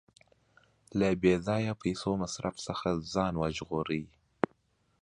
له بې ځایه پیسو مصرف څخه ځان وژغورئ.